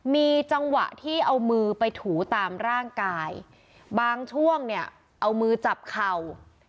มีจังหวะที่เอามือไปถูตามร่างกายบางช่วงเนี่ยเอามือจับเข่า